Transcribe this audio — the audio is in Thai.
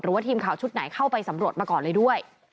ว่าทีมข่าวชุดไหนเข้าไปสำรวจมาก่อนเลยด้วย